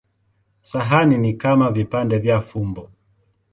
Sahani ni kama vipande vya fumbo.